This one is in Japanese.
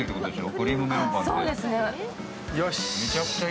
クリームメロンパン。